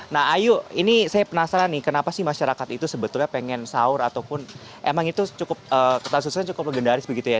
nah ayu ini saya penasaran nih kenapa sih masyarakat itu sebetulnya pengen sahur ataupun emang itu cukup ketan susunya cukup legendaris begitu ya